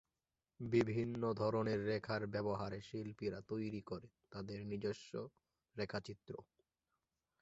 বিভিন্ন ধরনের রেখার ব্যবহারে শিল্পীরা তৈরি করেন তাদের নিজস্ব রেখাচিত্র।